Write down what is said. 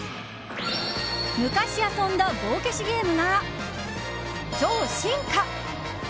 昔、遊んだ棒消しゲームが超進化。